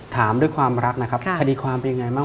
ถามด้วยความรักนะครับคดีความเป็นยังไงบ้าง